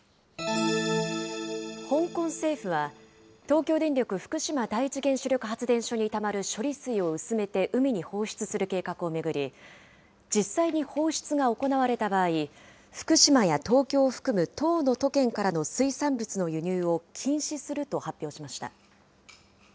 香港政府は、東京電力福島第一原子力発電所にたまる処理水を薄めて海に放出する計画を巡り、実際に放出が行われた場合、福島や東京を含む１０の都県からの水産物の輸入を禁止すると発表しました。